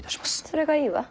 それがいいわ。